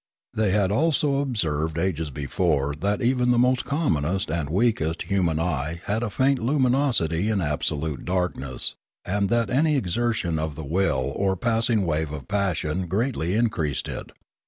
They had also observed ages before that even the commonest and weakest human eye had a faint luminosity in absolute darkness, and that any exertion of the will or passing wave of passion greatly increased it.